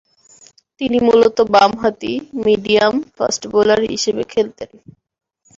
তিনি মূলতঃ বামহাতি মিডিয়াম-ফাস্ট বোলার হিসেবে খেলতেন।